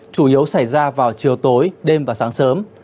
chủ yếu xảy ra vào chiều tối đêm và sáng sớm